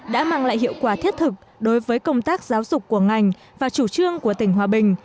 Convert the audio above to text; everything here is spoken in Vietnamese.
đã mang lại hiệu quả thiết thực đối với công tác giáo dục của ngành và chủ trương của tỉnh hòa bình